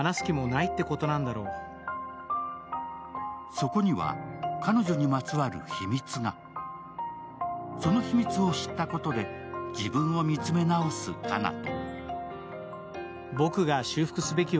そこには彼女にまつわる秘密がその秘密を知ったことで自分を見つめ直す奏斗。